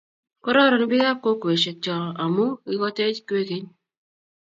kororon biikab kokwesiek cho amu ikotech kwekeny